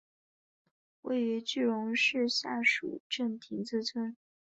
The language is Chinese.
位于句容市下蜀镇亭子村。